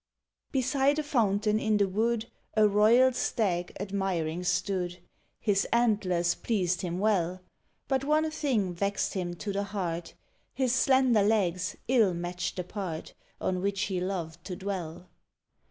Beside a fountain in the wood A royal Stag admiring stood: His antlers pleased him well. But one thing vexed him to the heart: His slender legs ill matched the part On which he loved to dwell.